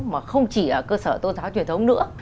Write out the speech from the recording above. mà không chỉ ở cơ sở tôn giáo truyền thống nữa